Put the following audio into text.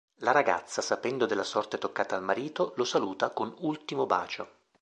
La ragazza sapendo della sorte toccata al marito, lo saluta con ultimo bacio.